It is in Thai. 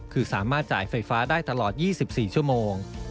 คือสามารถจ่ายไฟฟ้าได้ตลอด๒๔ชั่วโมง